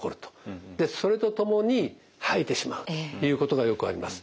それとともに吐いてしまうということがよくあります。